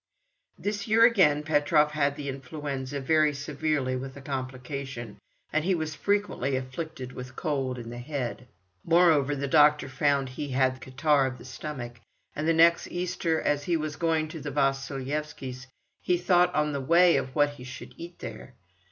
This year again Petrov had the influenza, very severely with a complication, and he was frequently afflicted with cold in the head. Moreover, the doctor found that he had catarrh of the stomach, and the next Easter, as he was going to the Vasilyevskys', he thought on the way of what he should eat there.